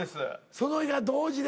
その日が同時で。